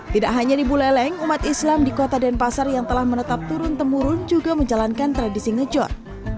tidak hanya di buleleng umat islam di kota denpasar yang telah menetap turun temurun juga menjalankan tradisi ngejot